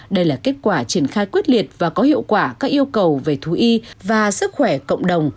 đây là kết quả triển khai quyết liệt và có hiệu quả các yêu cầu về thú y và sức khỏe cộng đồng